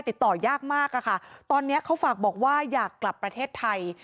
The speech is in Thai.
ติดต่อยากมากอะค่ะตอนนี้เขาฝากบอกว่าอยากกลับประเทศไทย